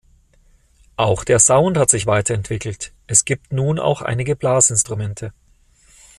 Auch der Sound hat sich weiterentwickelt; es gibt nun auch einige Blasinstrumente.